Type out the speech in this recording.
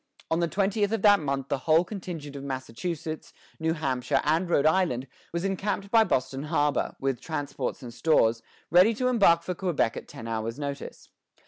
On the twentieth of that month the whole contingent of Massachusetts, New Hampshire, and Rhode Island was encamped by Boston harbor, with transports and stores, ready to embark for Quebec at ten hours' notice.